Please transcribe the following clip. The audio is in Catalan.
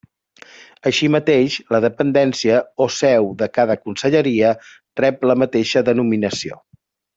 Així mateix, la dependència o seu de cada conselleria rep la mateixa denominació.